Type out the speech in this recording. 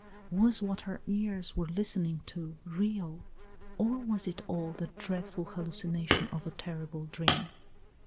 Was what her ears were listening to real! Or was it all the dreadful hallucination of a terrible dream!